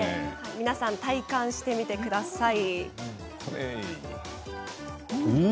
皆さんも体感してみてください。